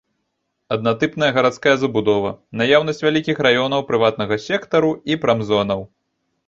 Аднатыпная гарадская забудова, наяўнасць вялікіх раёнаў прыватнага сектару і прамзонаў.